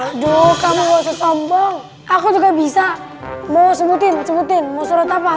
aduh kamu gak usah sombong aku juga bisa mau sebutin sebutin mau surat apa